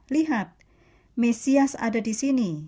lihat mesias ada di sini